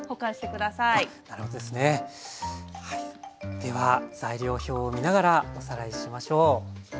では材料表を見ながらおさらいしましょう。